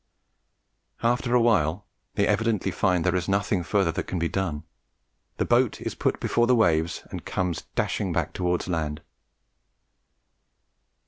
After a while they evidently find there is nothing further that can be done; the boat is put before the waves and comes dashing back towards land.